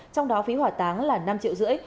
trong đó phí hỏa táng là năm triệu rưỡi